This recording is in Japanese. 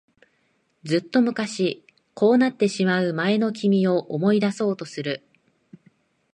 ずっと昔、こうなってしまう前の君を思い出そうとする。